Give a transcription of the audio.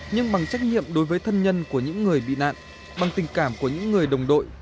nhưng bằng trách nhiệm đối với thân nhân của những người bị nạn bằng tình cảm của những người đồng đội